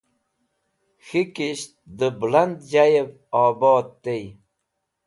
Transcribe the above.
K̃hikisht de Buland Jayev Obod tey